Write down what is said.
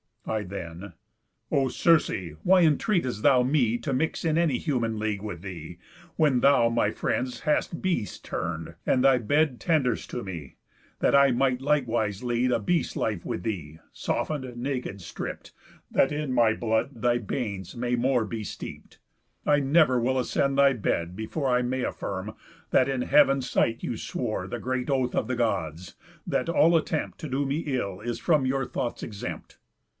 I then: 'O Circe, why entreat'st thou me To mix in any human league with thee, When thou my friends hast beasts turn'd; and thy bed Tender'st to me, that I might likewise lead A beast's life with thee, soften'd, naked stripp'd, That in my blood thy banes may more be steep'd? I never will ascend thy bed, before, I may affirm, that in heav'n's sight you swore The great oath of the Gods, that all attempt To do me ill is from your thoughts exempt.